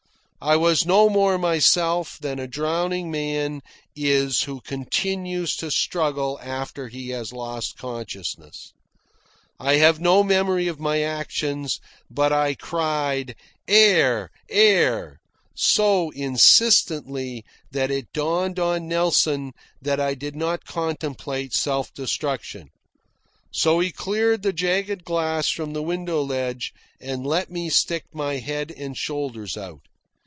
I was no more myself than a drowning man is who continues to struggle after he has lost consciousness. I have no memory of my actions, but I cried "Air! Air!" so insistently, that it dawned on Nelson that I did not contemplate self destruction. So he cleared the jagged glass from the window ledge and let me stick my head and shoulders out.